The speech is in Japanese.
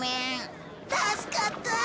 助かった。